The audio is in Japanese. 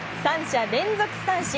３者連続三振。